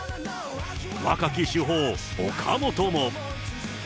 若き主砲、岡本も。